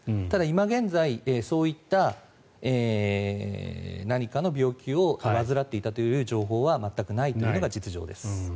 ただ、今現在そういった何かの病気を患っていたという情報は全くないというのが実情です。